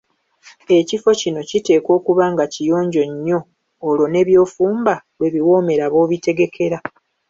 Ekifo kino kiteekwa okuba nga kiyonjo nnyo olwo ne byofumba lwe biwoomera b‘obitegekera.